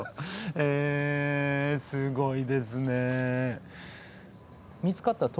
へえすごいですね。